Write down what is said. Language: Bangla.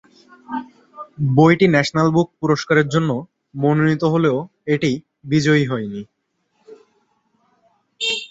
বইটি ন্যাশনাল বুক পুরস্কারের জন্য মনোনীত হলেও এটি বিজয়ী হয়নি।